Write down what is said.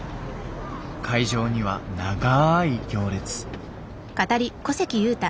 会場には長い行列。